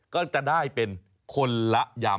ก็จะได้เป็นคนละยำ